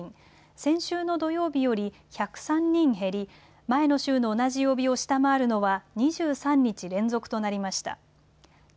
先週の土曜日より１０３人減り前の週の同じ曜日を下回るのは２３日連続となりました。